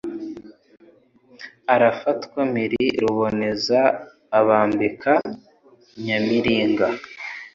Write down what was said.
Arafatwa mpiri ruboneza abambika Nyamiringa.